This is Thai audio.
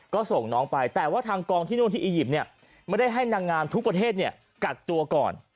ก็ส่งน้องไปแต่ว่าทางกองที่นู่นที่อียิปต์ไม่ได้ให้นางงามทุกประเทศกักตัวก่อน